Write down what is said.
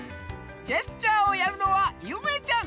ジェスチャーをやるのはゆめちゃん。